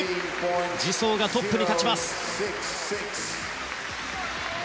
ジ・ソウがトップに立ちます。